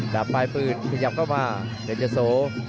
ดับปลายปืนขยับเข้ามาเด็ดเยอโซ